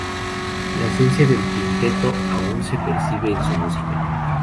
La esencia del quinteto aún se percibe en su música.